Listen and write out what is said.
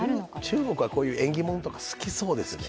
中国はこういう縁起物とか好きそうですよね。